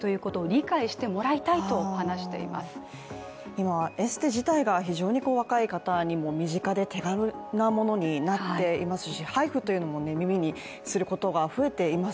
今はエステ自体が非常に若い方にも身近で手軽なものになっていますしＨＩＦＵというのも耳にすることが増えています。